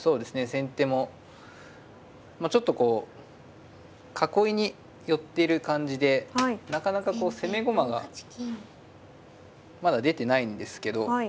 先手もちょっとこう囲いに寄ってる感じでなかなかこう攻め駒がまだ出てないんですけど。